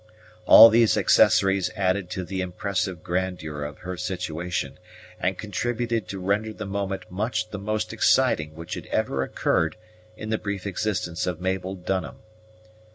All these accessories added to the impressive grandeur of her situation, and contributed to render the moment much the most exciting which had ever occurred in the brief existence of Mabel Dunham.